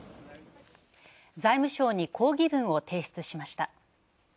財務省に抗議文を提出しました。